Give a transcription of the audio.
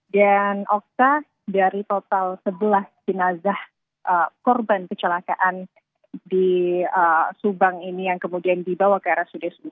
dan oktav dari total sebelas jenazah korban kecelakaan di subang ini yang kemudian dibawa ke rsud subang